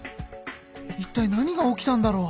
いったい何が起きたんだろう？